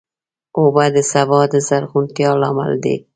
اوبه د سبا د زرغونتیا لامل دي.